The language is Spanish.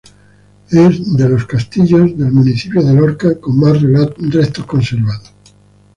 Es de los castillos del municipio de Lorca con más restos conservados.